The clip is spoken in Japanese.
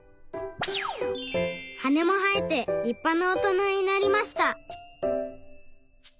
はねもはえてりっぱなおとなになりました。